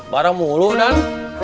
barang mulu dan